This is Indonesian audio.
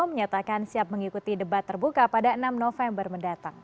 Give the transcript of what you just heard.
menyatakan siap mengikuti debat terbuka pada enam november mendatang